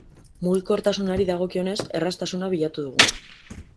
Mugikortasunari dagokionez erraztasuna bilatu dugu.